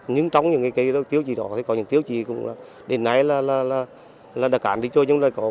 nhưng trong những tiêu chí đó có những tiêu chí cũng là đến nay là đã cản địa chức